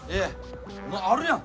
あるやん。